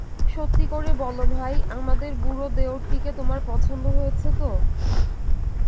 সত্যি করে বলো ভাই, আমাদের বুড়ো দেওরটিকে তোমার পছন্দ হয়েছে তো?